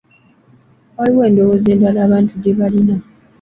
Waaliwo endowooza endala abantu gye baalina.